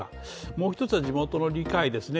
もう一つは地元の理解ですね。